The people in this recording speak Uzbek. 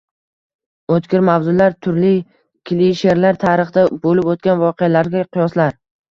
o‘tkir mavzular, turli klishelar, tarixda bo‘lib o‘tgan voqealarga qiyoslar